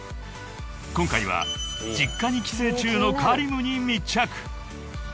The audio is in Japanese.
［今回は実家に帰省中のＫａｒｉｍに密着］